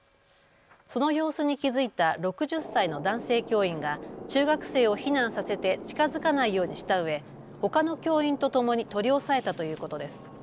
その様子に気付いた６０歳の男性教員が中学生を避難させて近づかないようにしたうえほかの教員とともに取り押さえたということです。